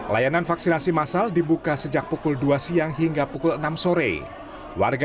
layanan vaksinasi masal dibuka sejak pukul dua siang hingga pukul enam sore warga